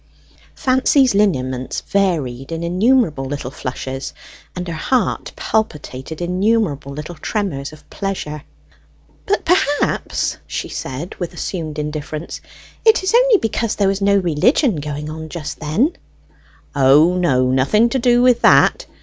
Fancy's lineaments varied in innumerable little flushes, and her heart palpitated innumerable little tremors of pleasure. "But perhaps," she said, with assumed indifference, "it was only because no religion was going on just then?" "O, no; nothing to do with that.